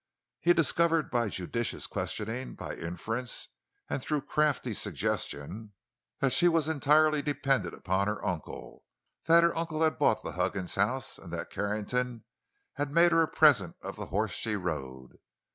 He discovered by judicious questioning, by inference, and through crafty suggestion, that she was entirely dependent upon her uncle; that her uncle had bought the Huggins house, and that Carrington had made her a present of the horse she rode.